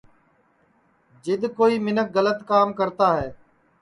جِد کوئی مینکھ گلت کام کرتا ہے